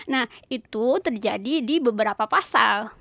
nah itu terjadi di beberapa pasal